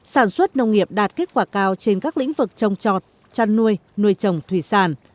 sản xuất nông nghiệp đạt kết quả cao trên các lĩnh vực trồng trọt chăn nuôi nuôi trồng thủy sản